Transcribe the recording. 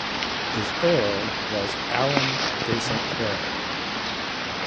His heir was Alan de St Clair.